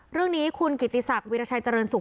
เรื่องนี้คุณกิติศักดิราชัยเจริญสุข